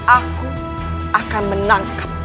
aku akan menangkap